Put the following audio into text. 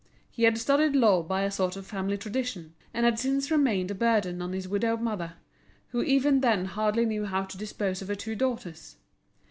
He had studied law by a sort of family tradition; and had since remained a burden on his widowed mother, who even then hardly knew how to dispose of her two daughters.